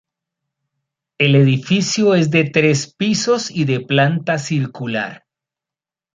El edificio es de tres pisos y de planta circular.